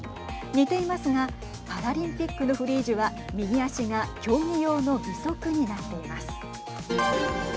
似ていますがパラリンピックのフリージュは右足が競技用の義足になっています。